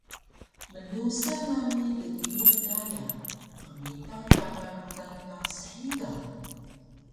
Mnusa nami dgiyaq daya qmita tama rudan ka shiga